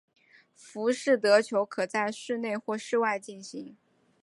浮士德球可在室内或室外进行。